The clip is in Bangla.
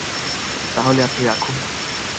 তাহলে আপনি রাখুন।